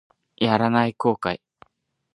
やらない後悔